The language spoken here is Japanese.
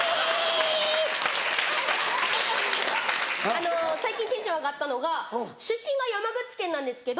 あの最近テンション上がったのが出身が山口県なんですけど。